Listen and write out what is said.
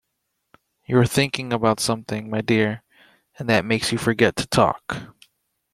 ‘You’re thinking about something, my dear, and that makes you forget to talk.